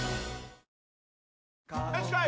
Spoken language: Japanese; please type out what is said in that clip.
よしこい！